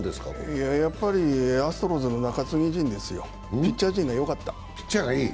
やっぱりアストロズの中継ぎ陣ですよ、ピッチャー陣がよかった。